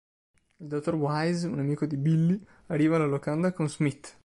Il dottor Wise, un amico di Billie, arriva alla locanda con Smith.